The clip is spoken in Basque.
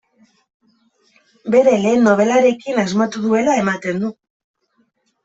Bere lehen nobelarekin asmatu duela ematen du.